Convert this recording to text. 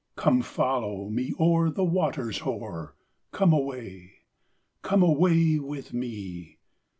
Come follow me o'er the waters hoar! Come away, come away with me!